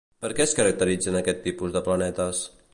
Per què es caracteritzen aquest tipus de planetes?